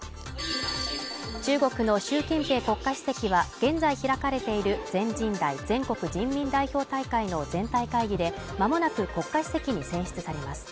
中国の習近平国家主席は、現在開かれている全人代＝全国人民代表大会の全体会議で、まもなく国家主席に選出されます。